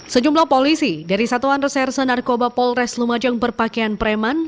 sejumlah polisi dari satuan reserse narkoba polres lumajang berpakaian preman